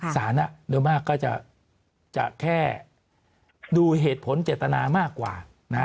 โดยมากก็จะแค่ดูเหตุผลเจตนามากกว่า